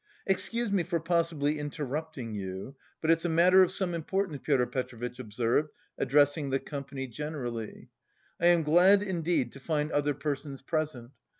"Excuse me for possibly interrupting you, but it's a matter of some importance," Pyotr Petrovitch observed, addressing the company generally. "I am glad indeed to find other persons present.